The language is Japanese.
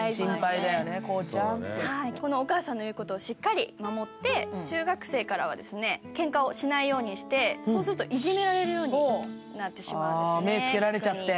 このお母さんの言うことをしっかり守って、中学生からはけんかをしないようにして、そうするといじめられるようになってしまうんですね。